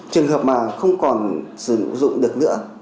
trường hợp mà không còn sử dụng được nữa